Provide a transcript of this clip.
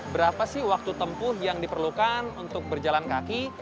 berapa sih waktu tempuh yang diperlukan untuk berjalan kaki